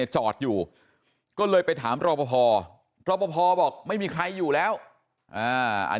จอดอยู่ก็เลยไปถามรอปภรอปภบอกไม่มีใครอยู่แล้วอัน